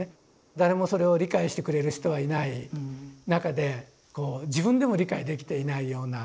誰もそれを理解してくれる人はいない中でこう自分でも理解できていないような。